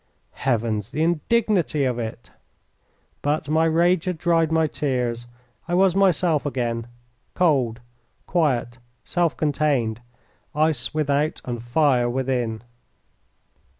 Heavens, the indignity of it! But my rage had dried my tears. I was myself again, cold, quiet, self contained, ice without and fire within.